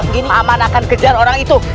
gim aman akan kejar orang itu